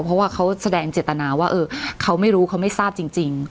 เพราะว่าเขาแสดงเจตนาว่าเออเขาไม่รู้เขาไม่ทราบจริง